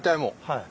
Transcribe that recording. はい。